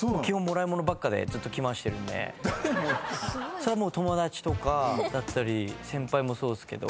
それは友達とかだったり先輩もそうっすけど。